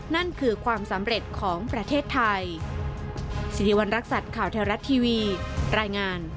นั่นคือความสำเร็จของประเทศไทย